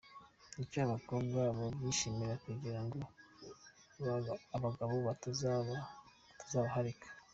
Nicyo abakobwa babyishimira…kugira ngo abagabo batazabaharika.